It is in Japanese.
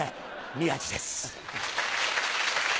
宮治です。